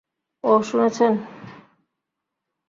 ওহ, শুনেছেন।